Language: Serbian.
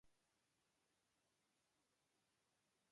"Тако ћете саградити града."